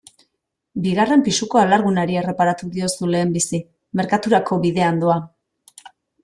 Bigarren pisuko alargunari erreparatu diozu lehenbizi, merkaturako bidean doa.